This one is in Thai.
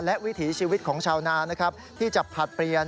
และวิถีชีวิตของชาวนานะครับที่จะผลัดเปลี่ยน